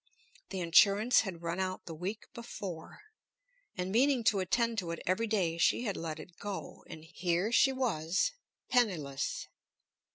The insurance had run out the week before, and meaning to attend to it every day she had let it go, and here she was penniless.